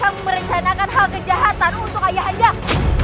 kamu merancangkan hal kejahatan untuk ayahdak